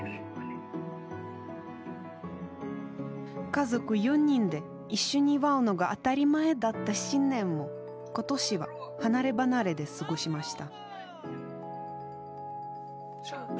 家族４人で一緒に祝うのが当たり前だった新年も今年は離れ離れで過ごしました。